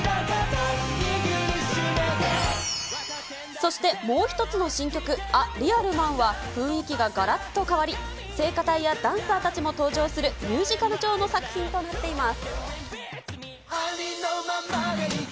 そして、もう一つの新曲、ア・リアルマンは、雰囲気ががらっと変わり、聖歌隊やダンサーたちも登場するミュージカル調の作品となっています。